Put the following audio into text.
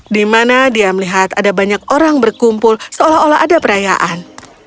di mana dia melihat ada banyak orang berkumpul seolah olah ada perayaan